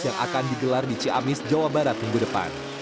yang akan digelar di ciamis jawa barat minggu depan